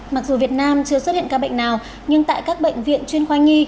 mặc dù việt nam chưa xuất hiện ca bệnh nào nhưng tại các bệnh viện chuyên khoa nhi